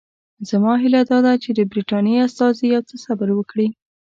زما هیله دا ده چې د برټانیې استازي یو څه صبر وکړي.